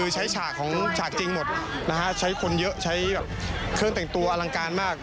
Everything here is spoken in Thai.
ใช้ฉากจริงหมดใช้คนเยอะใช้เครื่องแต่งตัวอลังการมาก